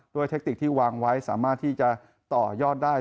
เทคติกที่วางไว้สามารถที่จะต่อยอดได้